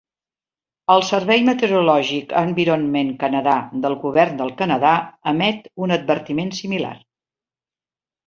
El Servei Meteorològic Environment Canada del Govern del Canadà emet un advertiment similar.